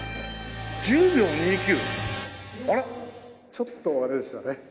ちょっとあれでしたね。